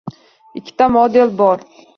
Ikkita model bor